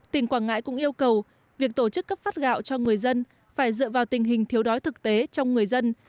tỉnh quảng ngãi cũng yêu cầu việc tổ chức cấp phát gạo cho người dân phải dựa vào tình hình thiếu đói thực tế trong người dân